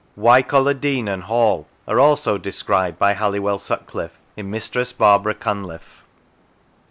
Wycoller Dene and Hall are also described by Halliwell Sutcliife in " Mistress Barbara Cunliife."